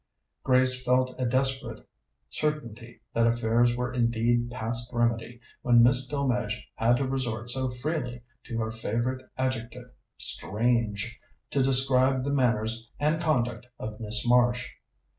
Grace felt a desperate certainty that affairs were indeed past remedy when Miss Delmege had to resort so freely to her favourite adjective "strange" to describe the manners and conduct of Miss Marsh.